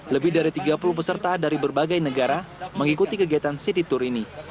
lebih dari tiga puluh peserta dari berbagai negara mengikuti kegiatan city tour ini